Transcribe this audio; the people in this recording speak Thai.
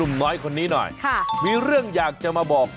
ในใจของหนุ่มน้อยคนนี้หน่อยค่ะมีเรื่องอยากจะมาบอก